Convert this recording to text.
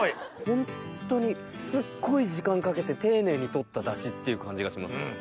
ホントにすっごい時間かけて丁寧に取ったダシっていう感じがします。